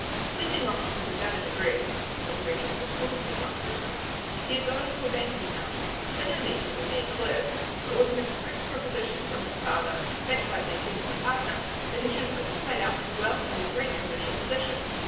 Leaving Oxford without a degree, for the reading of the schools did not suit him, he had gone into a banking house, by no means as a mere clerk, but with an expressed proposition from his father, backed by the assent of a partner, that he should work his way up to wealth and a great commercial position.